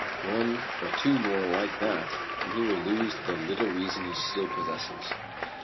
One or two more like that and he will lose the little reason he still possesses."